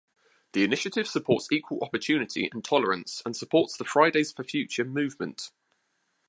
The initiative supports equal opportunity and tolerance and supports the Fridays for Future movement.